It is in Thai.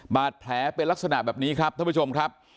บาดแผลเป็นลักษณะแบบนี้ครับท่านผู้ชมครับ